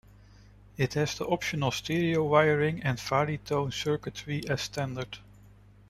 It has the optional stereo wiring and Varitone circuitry as standard.